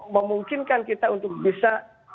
memungkinkan kita untuk bisa